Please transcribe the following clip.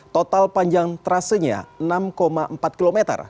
total panjang trasenya enam empat km